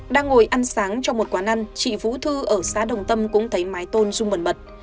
đang ngồi ăn sáng trong một quán ăn chị vũ thư ở xá đồng tâm cũng thấy mái tôn rung mẩn mật